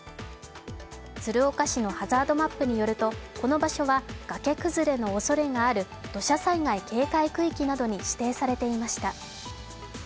鶴岡市のハザードマップによるとこの場所は崖崩れのおそれがある土砂災害警戒区域などに指定されていました。